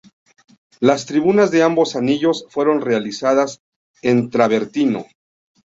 Las tribunas de ambos anillos fueron realizadas en travertino.